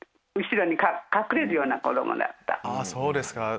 そうですか。